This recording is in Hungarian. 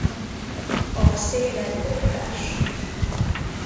A széle bordás.